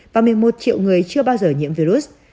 và một mươi một triệu người chưa bao giờ nhiễm virus